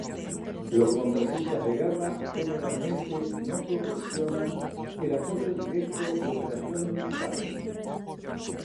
Los contratistas de guerra generalmente no proporcionan el apoyo directo de operaciones militares.